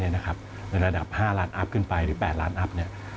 ในระดับ๕ล้านอัพขึ้นไปหรือ๘ล้านอัพ